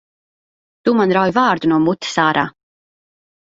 Tu man rauj vārdu no mutes ārā!